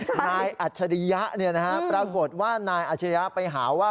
นายอัจฉริยะเนี่ยนะครับปรากฏว่านายอัจฉริยะไปหาว่า